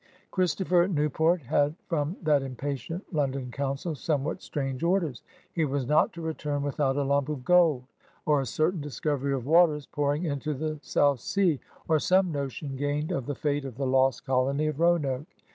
Christopher Newport had from that impatient London Council somewhat strange orders. He was not to return without a lump of gold, or a certain discovery of waters pouring into the South Sea, or some notion gained of the fate of the lost JOHN SMITH 55 colony of Roanoke.